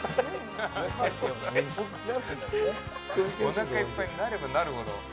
「お腹いっぱいになればなるほど」